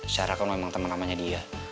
secara kan memang temen temennya dia